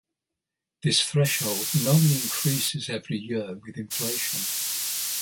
This threshold normally increases every year with inflation.